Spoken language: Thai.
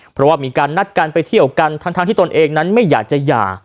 เพราะว่ามีการนัดกันไปเที่ยวกันทั้งที่ตนเองนั้นไม่อยากจะหย่า